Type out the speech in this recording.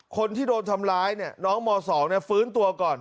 คนที่โดนทำร้ายเนี่ยน้องม๒ฟื้นตัวก่อน